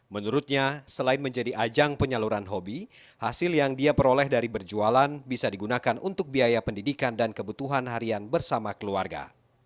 menurutnya selain menjadi ajang penyaluran hobi hasil yang dia peroleh dari berjualan bisa digunakan untuk biaya pendidikan dan kebutuhan harian bersama keluarga